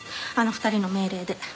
あの２人の命令で。